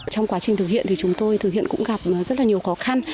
trong quá trình thực hiện thì chúng tôi thực hiện cũng gặp rất là nhiều khó khăn